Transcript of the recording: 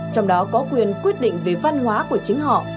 trong đó có quyền quyết định về văn hóa của chính họ